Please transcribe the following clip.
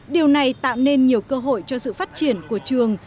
điều này tạo nên nhiều cơ hội cho sự phát triển của trường